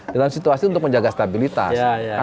dalam situasi untuk menjaga stabilitas